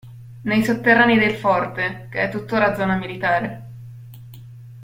Nei sotterranei del forte, che è tuttora zona militare.